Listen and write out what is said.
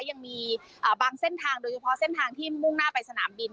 ยังมีบางเส้นทางโดยเฉพาะเส้นทางที่มุ่งหน้าไปสนามบิน